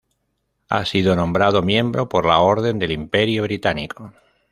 Ha sido nombrado miembro por la Orden del Imperio Británico.